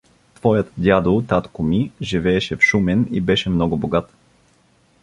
Твоят дядо (татко ми) живееше в Шумен и беше много богат.